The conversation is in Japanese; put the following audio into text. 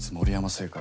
製菓。